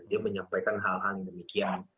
dia menyampaikan hal hal yang demikian